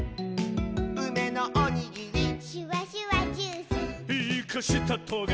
「うめのおにぎり」「シュワシュワジュース」「イカしたトゲ」